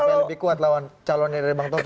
lebih kuat lawan calon dari bang taufik